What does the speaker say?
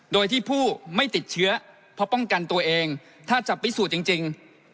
โดยที่ผู้ไม่ติดเชื้อเพราะป้องกันตัวเองถ้าจะพิสูจน์จริง